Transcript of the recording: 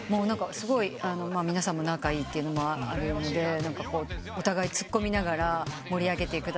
皆さんも仲いいってのもあるんでお互いツッコみながら盛り上げてくださって。